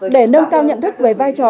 để nâng cao nhận thức về vai trò